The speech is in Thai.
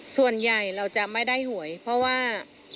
ส่วนใหญ่เราจะไม่ได้หวยเพราะว่า